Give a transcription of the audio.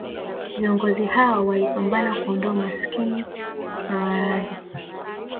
Viongozi hao walipambana kuondoa umaskini na maradhi